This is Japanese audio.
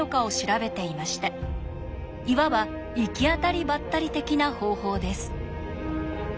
いわば行き当たりばったり的な方法です。